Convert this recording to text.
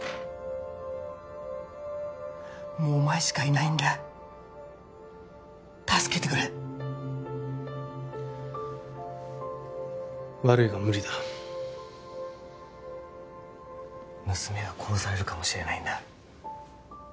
もうお前しかいないんだ助けてくれ悪いが無理だ娘が殺されるかもしれないんだ